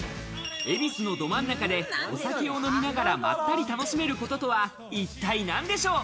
恵比寿のど真ん中でお酒を飲みながらまったり楽しめる事とは一体なんでしょう？